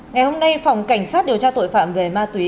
ngày hôm nay phòng cảnh sát điều tra tội phạm về ma túy